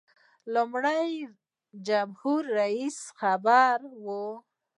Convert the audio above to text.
لومړی د جمهور رئیس خبر و.